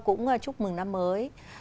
cũng chúc mừng năm mới